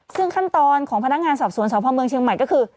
ซึ่งขั้นตอนของพนักงานสอบสวนสพเมืองเชียงใหม่ก็คือ